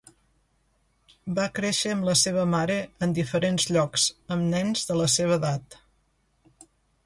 Va créixer amb la seva mare en diferents llocs amb nens de la seva edat.